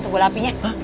tunggu bola apinya